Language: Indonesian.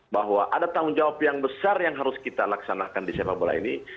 bahwa ada tanggung jawab yang besar yang harus kita laksanakan di sepak bola ini